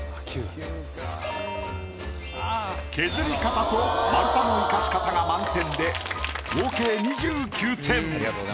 削り方と丸太の生かし方が満点で合計２９点。